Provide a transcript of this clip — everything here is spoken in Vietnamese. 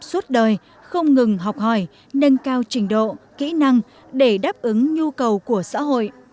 suốt đời không ngừng học hỏi nâng cao trình độ kỹ năng để đáp ứng nhu cầu của xã hội